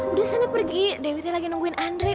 udah sana pergi dewi tuh lagi nungguin andre